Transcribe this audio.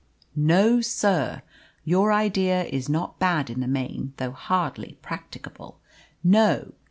"No, sir. Your idea is not bad in the main, though hardly practicable. No.